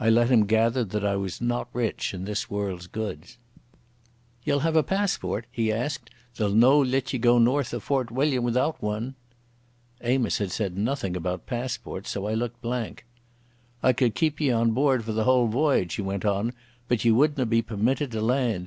I let him gather that I was not rich in this world's goods. "Ye'll have a passport?" he asked. "They'll no let ye go north o' Fort William without one." Amos had said nothing about passports, so I looked blank. "I could keep ye on board for the whole voyage," he went on, "but ye wouldna be permitted to land.